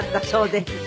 そうです。